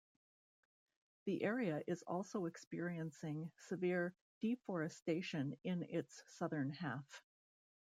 The area is also experiencing severe deforestation in its southern half.